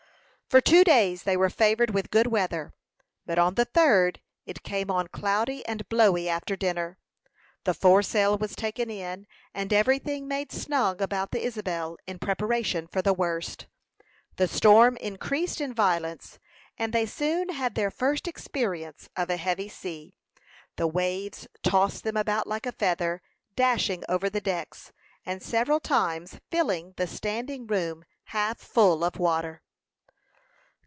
For two days they were favored with good weather; but on the third it came on cloudy and blowy after dinner. The foresail was taken in, and every thing made snug about the Isabel, in preparation for the worst. The storm increased in violence, and they soon had their first experience of a heavy sea. The waves tossed them about like a feather, dashing over the decks, and several times filling the standing room half full of water.